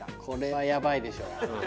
これはやばいでしょ。